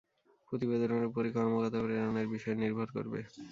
প্রতিবেদনের উপরই কর্মকর্তা প্রেরণের বিষয় নির্ভর করবে।